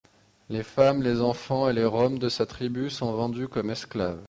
Les femmes, les enfants et les Roms de sa tribu sont vendus comme esclaves.